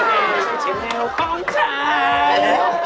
ไม่ใช่แนวของชาย